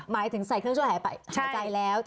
หมายถึงใส่เครื่องช่วยหายใจแล้ว